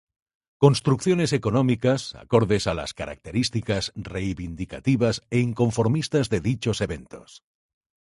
Construcciones económicas acordes a las características reivindicativas e inconformistas de dichos eventos.